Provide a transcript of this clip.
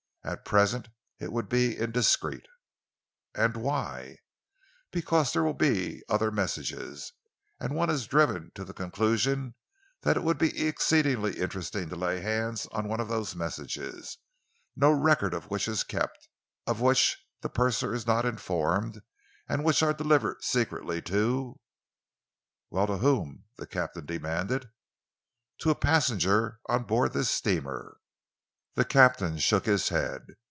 At present it would be indiscreet." "And why?" "Because there will be other messages, and one is driven to the conclusion that it would be exceedingly interesting to lay hands on one of these messages, no record of which is kept, of which the purser is not informed, and which are delivered secretly to " "Well, to whom?" the captain demanded. "To a passenger on board this steamer." The captain shook his head.